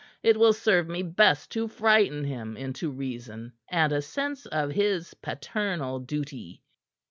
It will serve me best to frighten him into reason and a sense of his paternal duty."